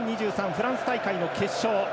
フランス大会の決勝。